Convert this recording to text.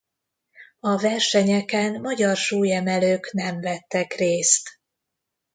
A versenyeken magyar súlyemelők nem vettek részt.